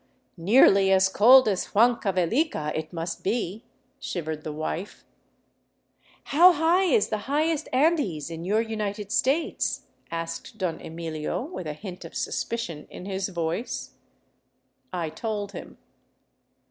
" Brr ! Nearly as cold as Huancavelica, it must be," shivered the wife. " How high is the highest Andes in your United States ?" asked Don Emilio, with a hint of suspicion in his voice. I told him.